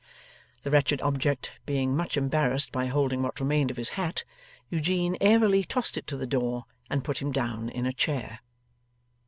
The wretched object being much embarrassed by holding what remained of his hat, Eugene airily tossed it to the door, and put him down in a chair.